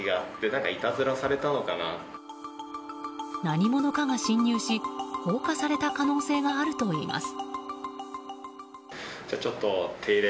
何者かが侵入し放火された可能性があるといいます。